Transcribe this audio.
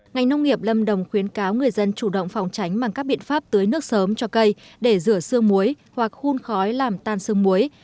ngành nông nghiệp lâm đồng khuyến cáo người dân chủ động phòng tránh bằng các biện pháp tưới nước sớm cho cây để rửa xương muối hoặc khuôn khói làm tan sương muối